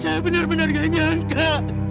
tuhan aku benar benar gak nyangka